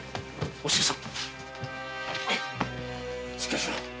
お静さん